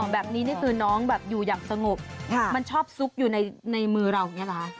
แบบนี้นี่คือน้องอยู่อย่างสงบมันชอบซุกอยู่ในมือเรานี่หรือคะ